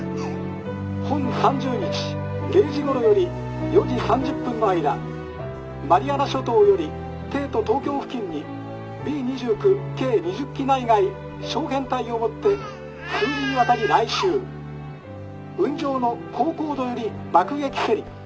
本３０日零時ごろより４時３０分の間マリアナ諸島より帝都東京付近にＢ２９計２０機内外小編隊をもって数次にわたり来襲雲上の高高度より爆撃せり。